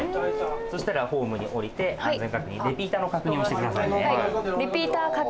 そしたらホームに降りて安全確認レピーターの確認をして下さい。